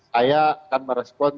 saya akan merespon